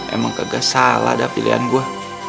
emang kagak salah dah pilihan gue